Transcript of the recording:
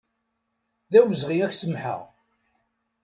D awezɣi ad ak-samḥeɣ.